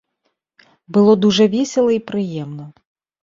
Было дужа весела і прыемна.